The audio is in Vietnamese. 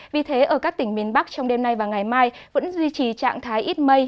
vì thế ở các tỉnh miền bắc trong đêm nay và ngày mai vẫn duy trì trạng thái ít mây